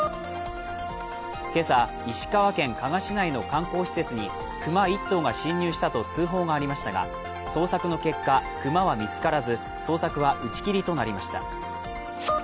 今朝、石川県加賀市内の観光施設に熊１頭が侵入したと通報がありましたが捜索の結果、熊は見つからず、捜索は打ち切り止まりました。